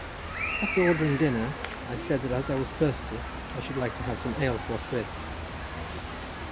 After ordering dinner I said that, as I was thirsty, I should like to have some ale forthwith.